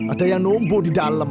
ada yang numpuk di dalam